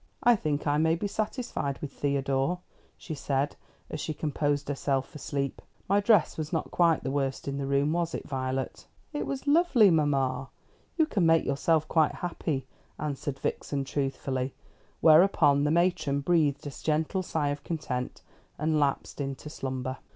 "I think I may be satisfied with Theodore," she said, as she composed herself for sleep; "my dress was not quite the worst in the room, was it, Violet?" "It was lovely, mamma. You can make yourself quite happy," answered Vixen truthfully; whereupon the matron breathed a gentle sigh of content, and lapsed into slumber.